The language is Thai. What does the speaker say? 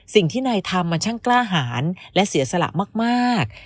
สิ่งที่นายทำมันช่างกล้าหารและเสียสละมาก